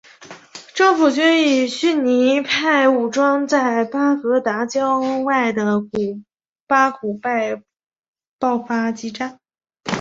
政府军与逊尼派武装在巴格达郊外的巴古拜爆发激战。